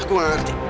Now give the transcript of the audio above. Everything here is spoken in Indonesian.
aku gak ngerti